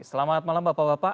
selamat malam bapak bapak